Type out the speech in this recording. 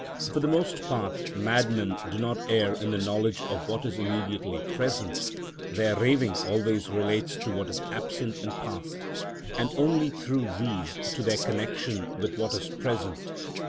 For the most part, madmen do not err in the knowledge of what is immediately present; their raving always relates to what is absent and past, and only through these to their connection with what is present.